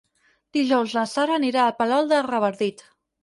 Dijous na Sara anirà a Palol de Revardit.